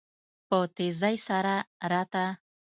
په تيزی سره راته.